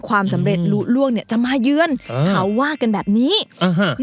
ความสำเร็จรู้ร่วงเนี่ยจะมายื่นเขาว่ากันแบบนี้อ่า